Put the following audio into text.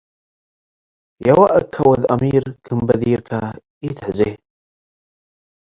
“የዋእ እከ ወድ አሚር ክም በዲርከ ኢትሕዜ